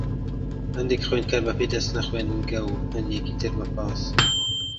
هەندێک خوێندکار بە پێ دەچنە خوێندنگە، و هەندێکی تر بە پاس.